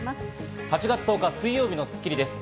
８月１０日、水曜日の『スッキリ』です。